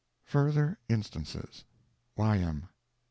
Further Instances Y.M.